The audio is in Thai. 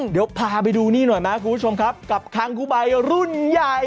เดี๋ยวพาไปดูนี่หน่อยไหมคุณผู้ชมครับกับคังคุใบรุ่นใหญ่